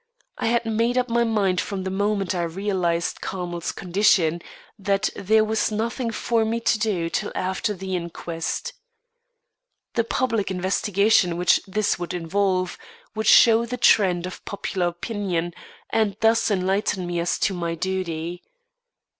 I had made up my mind from the moment I realised Carmel's condition, that there was nothing for me to do till after the inquest. The public investigation which this would involve, would show the trend of popular opinion, and thus enlighten me as to my duty.